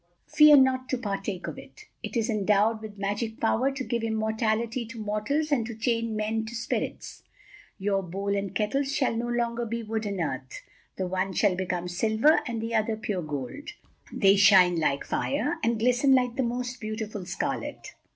Fear not to partake of it. It is endowed with magic power to give immortality to mortals and to change men to spirits. Your bowls and kettles shall no longer be wood and earth. The one shall become silver, and the other pure gold. They shall shine like fire, and glisten like the most beautiful scarlet.